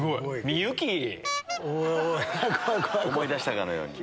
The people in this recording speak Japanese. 思い出したかのように。